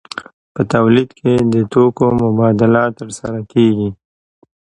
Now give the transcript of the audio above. په تولید کې د توکو مبادله ترسره کیږي.